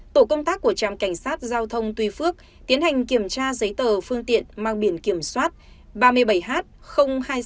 tổ công tác của trạm cảnh sát giao thông tuy phước tiến hành kiểm tra giấy tờ phương tiện mang biển kiểm soát ba mươi bảy h hai nghìn sáu trăm sáu